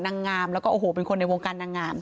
นางงามแล้วก็โอ้โหเป็นคนในวงการนางงาม